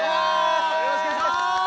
よろしくお願いします！